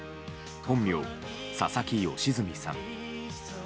本名、佐々木嘉純さん。